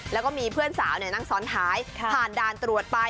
แล้วก็มีเพื่อนสาวนั่งซ้อนท้ายผ่านด่านตรวจไป